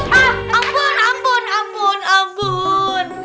hah ampun ampun ampun